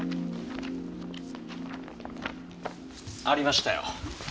ありましたよ。